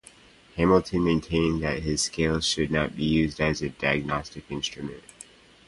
Hamilton maintained that his scale should not be used as a diagnostic instrument.